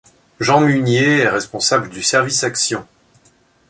Jean Munier est responsable du service Action.